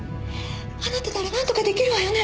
あなたならなんとか出来るわよね？